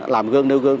làm gương nêu gương